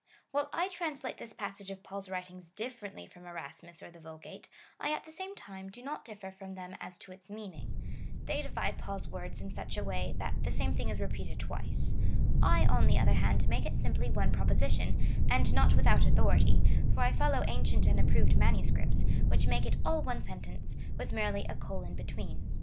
While I translate this passage of Paul's writings differently from Erasmus or the Vulgate, I at the same time do not differ from them as to its meaning. They divide Paul's words in such a way, that the same thing is repeated twice. I, on the other hand, make it simply one proposition, and not without authority, for I follow ancient and approved manuscripts, which make it all one sentence, with merely a colon between.